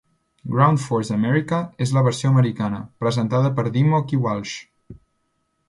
Ground Force America és la versió americana, presentada per Dimmock i Walsh.